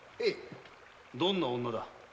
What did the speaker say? どんな女だ？